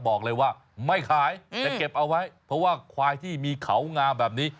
บอกเลยว่าไม่ขายจะเก็บเอาไว้เพราะว่าควายที่มีเขางามแบบนี้